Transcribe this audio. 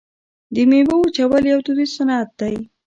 د میوو وچول یو دودیز صنعت دی.